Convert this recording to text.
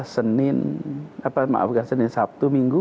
senin maafkan senin sabtu minggu